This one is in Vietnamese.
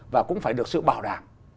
và cũng phải được sự bảo đảm